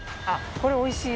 これおいしい。